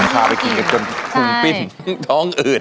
พาไปกินกันจนปรุงปิ้นท้องอืด